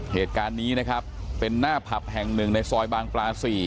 เหตุการณ์นี้นะครับเป็นหน้าผับแห่งหนึ่งในซอยบางปลา๔